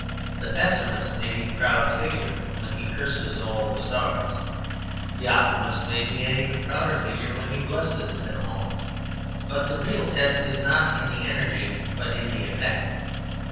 The pessimist may be a proud figure when he curses all the stars; the optimist may be an even prouder figure when he blesses them all. But the real test is not in the energy, but in the effect.